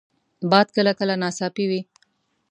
باد کله کله ناڅاپي وي